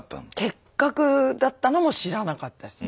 結核だったのも知らなかったです。